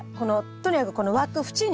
とにかくこの枠縁に。